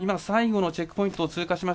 最後のチェックポイント通過。